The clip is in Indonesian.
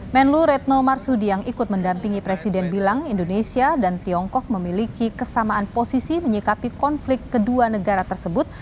menlu retno marsudi yang ikut mendampingi presiden bilang indonesia dan tiongkok memiliki kesamaan posisi menyikapi konflik kedua negara tersebut